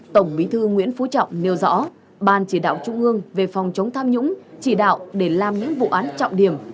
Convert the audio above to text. tổng bí thư nguyễn phú trọng nêu rõ ban chỉ đạo trung ương về phòng chống tham nhũng chỉ đạo để làm những vụ án trọng điểm